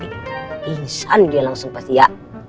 insya allah dia langsung pasti ya